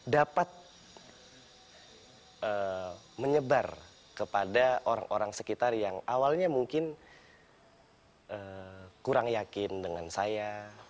dapat menyebar kepada orang orang sekitar yang awalnya mungkin kurang yakin dengan saya